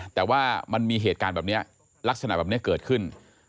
แต่ว่ามันมีเหตุการณ์แบบนี้ลักษณะแบบนี้เกิดขึ้น